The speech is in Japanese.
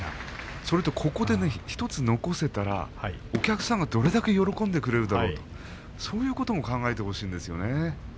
それとここで１つ残せたら、お客さんはどれだけ喜んでくれるんだろうとそういうことも考えてほしいんですよね。